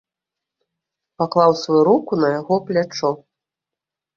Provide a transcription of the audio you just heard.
Паклаў сваю руку на яго плячо.